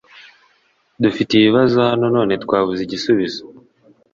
Dufite ibibazo hano none twabuze igisubizo .